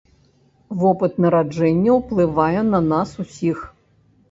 Вопыт нараджэння ўплывае на нас усіх.